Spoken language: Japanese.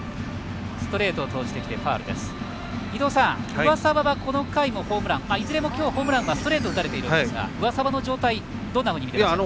上沢は、この回のホームランいずれも、ホームランはストレートを打たれているんですがどんなふうに見ていますか？